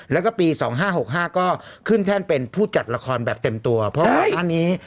แล้วก็ปีสองห้าหกห้าก็ขึ้นแทนเป็นผู้จัดละครแบบเต็มตัวเพราะว่าอันนี้